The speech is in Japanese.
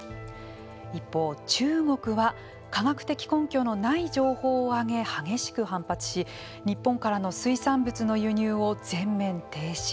一方、中国は科学的根拠のない情報を挙げ、激しく反発し日本からの水産物の輸入を全面停止。